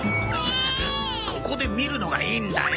ここで見るのがいいんだよ！